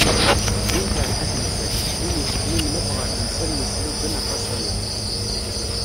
Win terḥa temsalt, win yettxemmimen akk ɣer temsal n uslugen aṭas aya.